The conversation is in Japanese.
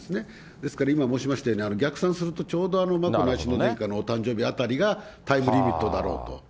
ですから今申しましたように、逆算するとちょうど眞子内親王殿下のお誕生日あたりがタイムリミットだろうと。